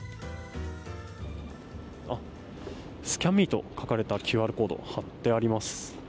ＳＣＡＮＭＥと書かれたＱＲコードが貼ってあります。